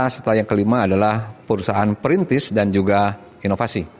setelah yang kelima adalah perusahaan perintis dan juga inovasi